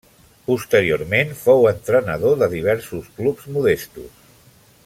Posteriorment fou entrenador de diversos clubs modestos.